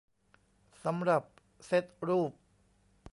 สำหรับเซ็ตรูป